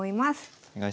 お願いします。